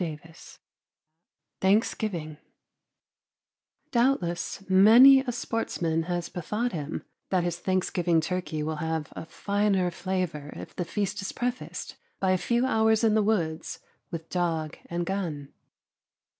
XLIII THANKSGIVING Doubtless many a sportsman has bethought him that his Thanksgiving turkey will have a finer flavor if the feast is prefaced by a few hours in the woods, with dog and gun.